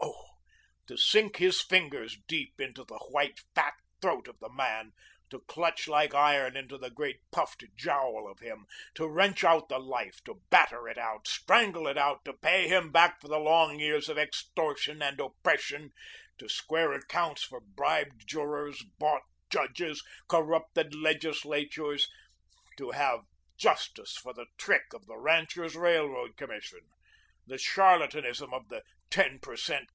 Oh, to sink his fingers deep into the white, fat throat of the man, to clutch like iron into the great puffed jowl of him, to wrench out the life, to batter it out, strangle it out, to pay him back for the long years of extortion and oppression, to square accounts for bribed jurors, bought judges, corrupted legislatures, to have justice for the trick of the Ranchers' Railroad Commission, the charlatanism of the "ten per cent.